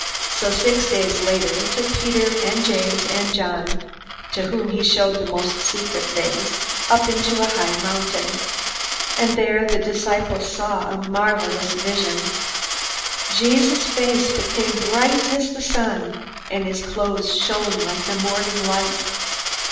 So six days later he took Peter and James and John, to whom he showed the most secret things, up into a high mountain. And there the disciples saw a marvelous vision. Jesus' face became bright as the sun, and his clothes shone like the morning light.